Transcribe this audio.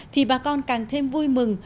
thì bà con càng thêm vui mừng